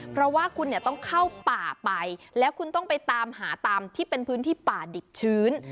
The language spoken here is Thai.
เพราะว่าคุณเนี่ยต้องเข้าป่าไปแล้วคุณต้องไปตามหาตามที่เป็นพื้นที่ป่าดิบชื้น